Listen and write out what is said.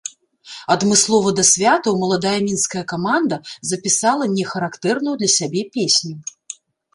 Адмыслова да святаў маладая мінская каманда запісала не характэрную для сябе песню.